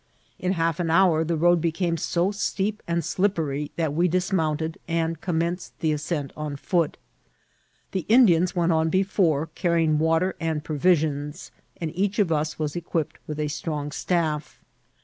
In half an hour the road became so steep and slippery that we dismounted, and commenced the ascent on foot. The Indians went on before, carrying water and provisions, and each of us was equipped with a strong staff.